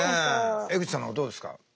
江口さんはどうですか？